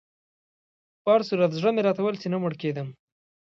په هر صورت زړه مې راته ویل چې نه مړ کېدم.